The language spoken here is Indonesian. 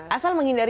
nah itu kan gorengan